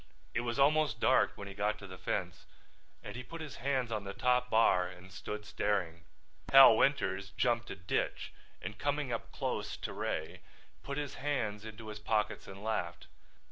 It was almost dark when he got to the fence and he put his hands on the top bar and stood staring. Hal Winters jumped a ditch and coming up close to Ray put his hands into his pockets and laughed.